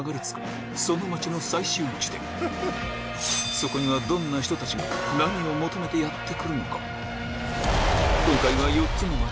そこにはどんな人たちが何を求めてやって来るのか？